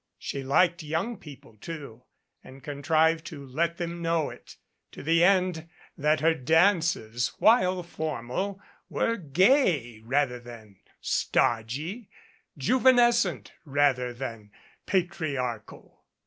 She liked young people, too, and contrived to let them know it, to the end that her dances, while formal, were gay rather than "stodgy," juvenescent rather than patriarchal.